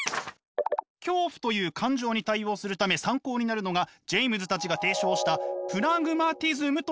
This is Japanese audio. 恐怖という感情に対応するため参考になるのがジェイムズたちが提唱したプラグマティズムという考え。